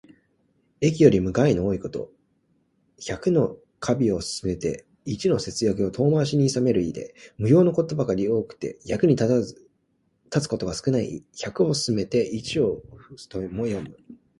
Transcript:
益よりも害の多いこと。百の華美を勧めて一の節約を遠回しにいさめる意で、無用のことばかり多くて、役に立つことが少ない意。「百を勧めて一を諷す」とも読む。